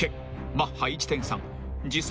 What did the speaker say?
［マッハ１．３時速